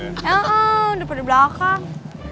ya depan dan belakang